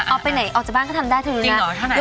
ออกไปไหนออกจากบ้างก็ทำได้เธอดูนะจริงเหรอช่างไหน